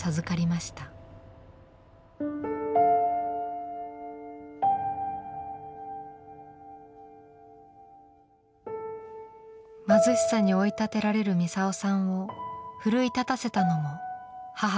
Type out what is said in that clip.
貧しさに追い立てられるミサオさんを奮い立たせたのも母でした。